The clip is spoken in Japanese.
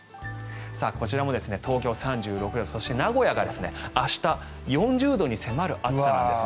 こちらも東京、３６度名古屋が明日４０度に迫る暑さなんです。